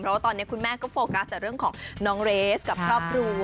เพราะว่าตอนนี้คุณแม่ก็โฟกัสแต่เรื่องของน้องเรสกับครอบครัว